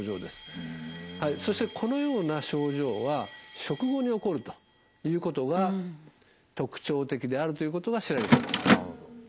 はいそしてこのような症状は食後におこるということが特徴的であるということが知られています。